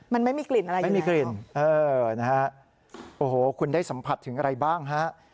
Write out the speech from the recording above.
มันไม่มีกลิ่นอะไรอย่างนี้ไม่มีกลิ่นเออนะฮะโอ้โหคุณได้สัมผัสถึงอะไรบ้างฮะ